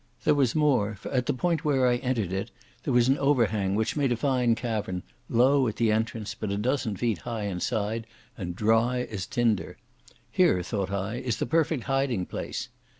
There was more, for at the point where I entered it there was an overhang which made a fine cavern, low at the entrance but a dozen feet high inside, and as dry as tinder. Here, thought I, is the perfect hiding place.